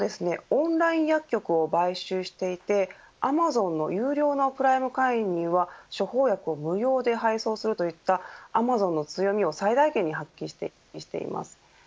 オンライン薬局を買収していてアマゾンの有料のプライム会員には処方薬を無料で配送するといったアマゾンを強みを最大限に発揮しています。